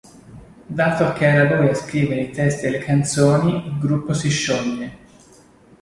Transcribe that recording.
Dato che era lui a scrivere i testi delle canzoni il gruppo si scioglie.